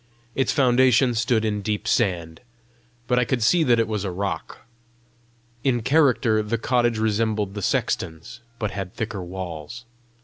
Its foundation stood in deep sand, but I could see that it was a rock. In character the cottage resembled the sexton's, but had thicker walls.